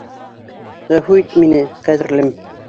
Ғәфү ит мине, ҡәҙерлем.